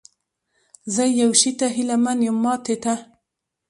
زه یو شي ته هیله من یم، ماتې ته؟